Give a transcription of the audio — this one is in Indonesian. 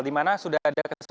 dimana sudah ada kesepakatan